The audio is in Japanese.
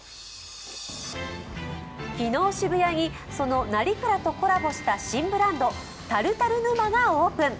昨日、渋谷にその成蔵とコラボした新ブランド、タルタルＮＵＭＡがオープン。